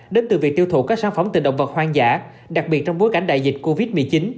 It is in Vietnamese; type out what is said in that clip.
đến từ việc tiêu thụ các sản phẩm từ động vật hoang dã đặc biệt trong bối cảnh đại dịch covid một mươi chín